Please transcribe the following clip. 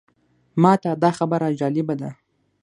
ماته دا خبره جالبه ده.